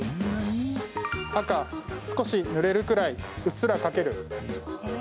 赤・少しぬれるくらいうっすらかける。